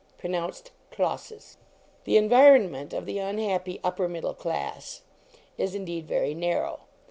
(Pronounced clawsses.) The environment of the unhappy "upper middle class" is indeed very narrow.